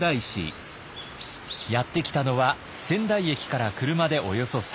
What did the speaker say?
やって来たのは仙台駅から車でおよそ３０分。